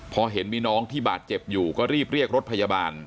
พอเห็นมีน้องที่บาดเจ็บอยู่ก็รีบเรียกรถพยาบาล